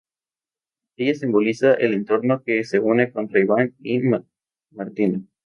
Ella simboliza el entorno que se une contra Ivan y Martina.